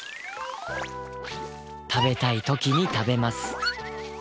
食べたいときに食べます。